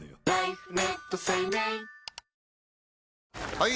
・はい！